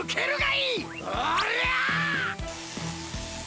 おりゃ！